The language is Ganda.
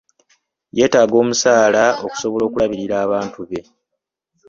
Yeetaaga omusaala okusobola okulabirira abantu be.